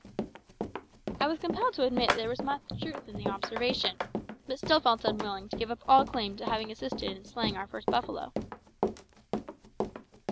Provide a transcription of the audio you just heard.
I was compelled to admit that there was much truth in the observation, but still felt unwilling to give up all claim to having assisted in slaying our first buffalo.